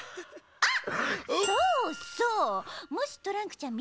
あっ。